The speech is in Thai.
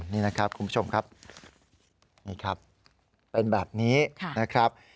นี่นะครับคุณผู้ชมครับนี่ครับเป็นแบบนี้นะครับ